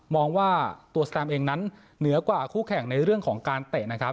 มองว่าตัวสแตมเองนั้นเหนือกว่าคู่แข่งในเรื่องของการเตะนะครับ